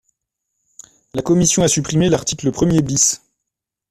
La commission a supprimé l’article premier bis.